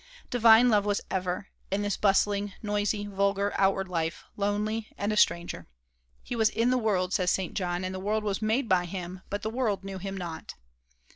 Divine Love was ever, in this bustling, noisy, vulgar, outward life, lonely, and a stranger. "He was in the world," says St. John, "and the world was made by him, but the world knew him not."